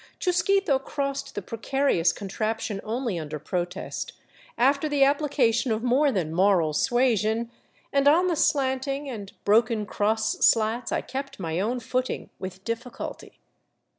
Chus quito crossed the precarious contraption only under protest, after the application of more than moral suasion, and on the slanting and broken cross slats I kept my own footing with difficulty.